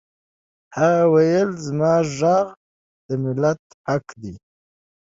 هغه وویل زما غږ د ملت حق دی